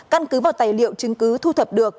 căn cứ vào tài liệu chứng cứ thu thập được